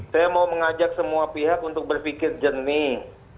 saya mau mengajak semua pihak untuk berpikir jernih